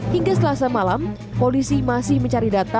hingga selasa malam polisi masih mencari data